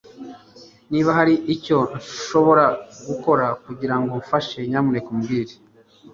Niba hari icyo nshobora gukora kugirango mfashe nyamuneka umbwire